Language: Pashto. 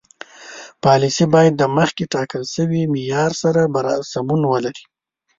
پالیسي باید د مخکې ټاکل شوي معیار سره سمون ولري.